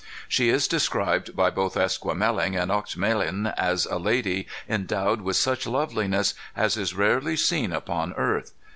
She is described by both Esquemeling and Oexemelin as a lady endowed with such loveliness as is rarely seen upon earth.